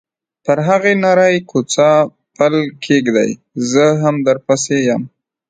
پر هغې نرۍ کوڅه پل کېږدۍ، زه هم درپسې یم.